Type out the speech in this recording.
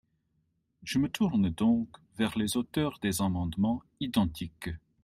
Je me tourne donc vers les auteurs des amendements identiques.